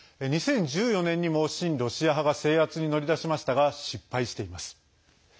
２０１４年にも親ロシア派が制圧に乗り出しましたが失敗しています。